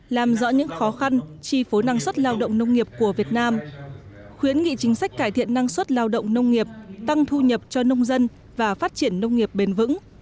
làm rõ những khó khăn chi phối năng suất lao động nông nghiệp của việt nam khuyến nghị chính sách cải thiện năng suất lao động nông nghiệp tăng thu nhập cho nông dân và phát triển nông nghiệp bền vững